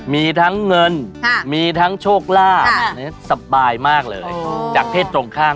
มีทั้งเงินมีทั้งโชคลาภสบายมากเลยจากเพศตรงข้าม